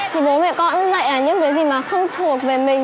thì bố mẹ con cũng dạy là những cái gì mà không thuộc về mình